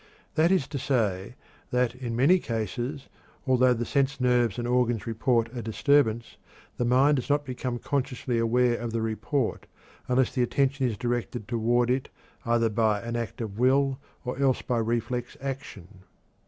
That is to say, that in many cases although the sense nerves and organs report a disturbance, the mind does not become consciously aware of the report unless the attention is directed toward it either by an act of will or else by reflex action.